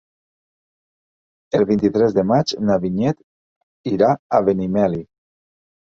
El vint-i-tres de maig na Vinyet irà a Benimeli.